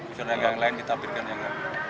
misalnya yang lain kita ambilkan yang lain